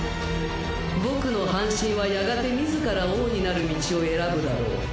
僕の半身はやがて自ら王になる道を選ぶだろう。